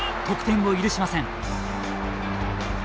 得点を許しません。